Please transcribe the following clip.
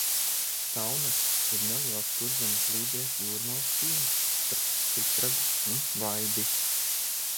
Saunags ir neliels Kurzemes lībiešu jūrmalas ciems starp Pitragu un Vaidi.